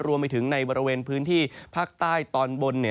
รวมไปถึงในบริเวณพื้นที่ภาคใต้ตอนบน